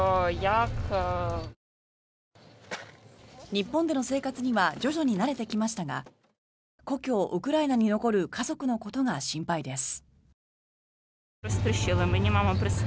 日本での生活には徐々に慣れてきましたが故郷ウクライナに残る家族のことが心配です。